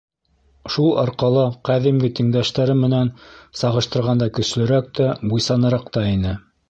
Шул арҡала ҡәҙимге тиңдәштәре менән сағыштырғанда көслөрәк тә, буйсаныраҡ та ине.